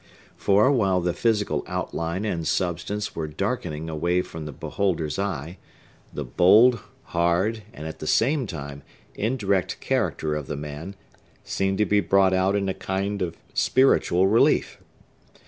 For, while the physical outline and substance were darkening away from the beholder's eye, the bold, hard, and, at the same time, indirect character of the man seemed to be brought out in a kind of spiritual relief.